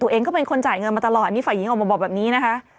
ตัวเองก็เป็นคนจ่ายเงินมาตลอดอันนี้ฝ่ายหญิงออกมาบอกแบบนี้นะคะ